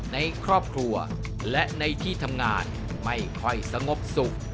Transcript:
ในครอบครัวและในที่ทำงานไม่ค่อยสงบสุข